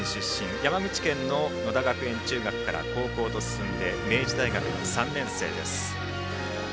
山口県の野田学園中学から高校と進んで明治大学３年生です。